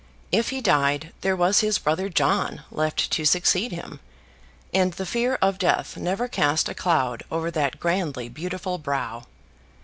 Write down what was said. If he died, there was his brother John left to succeed him. And the fear of death never cast a cloud over that grandly beautiful brow.